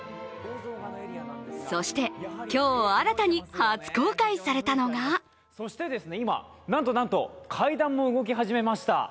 そして今日新たに初公開されたのがそしてですね、今、なんとなんと、階段が動き始めました。